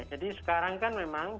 jadi sekarang kan memang